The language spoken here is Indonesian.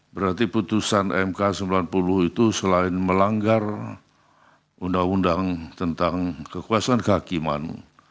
berarti putusan mk sembilan puluh itu selain melanggar undang undang tentang kekuasaan kehakiman